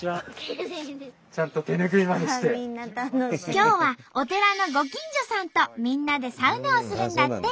今日はお寺のご近所さんとみんなでサウナをするんだって。